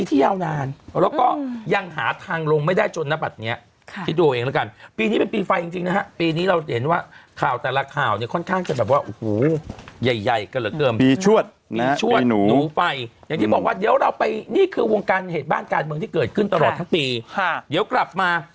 อีกฝั่งหนึ่งเป็นทีมพ่อทีมแม่ครับแล้วก็แน่นอนพลตำรวจเอกสุวัสดิ์นะครับ